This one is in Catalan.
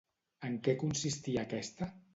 En què consistia aquesta?